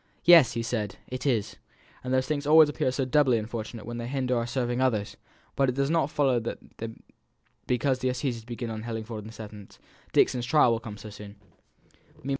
"Yes!" he said, "it is. And these things always appear so doubly unfortunate when they hinder our serving others! But it does not follow that because the assizes begin at Hellingford on the seventh, Dixon's trial will come on so soon.